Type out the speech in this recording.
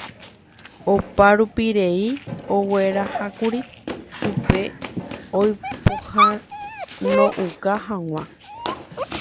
Oparupirei oguerahákuri chupe oipohánouka hag̃ua.